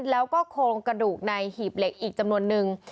แล้วก็โครงกระดูกในหีบเหล็กอีกจำนวนนึง